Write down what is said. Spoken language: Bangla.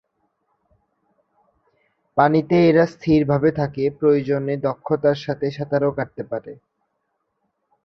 পানিতে এরা স্থিরভাবে থাকে, প্রয়োজনে দক্ষতার সাথে সাঁতারও কাটতে পারে।